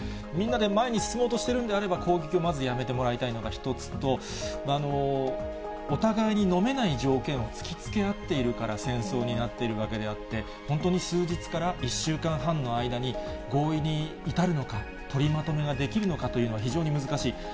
みんなで前に進もうとしているんであれば、攻撃をまずやめてもらいたいのが一つと、お互いにのめない条件を突きつけ合っているから、戦争になっているわけであって、本当に数日から１週間半の間に、合意に至るのか、取りまとめができるのかというのは非常に難しい。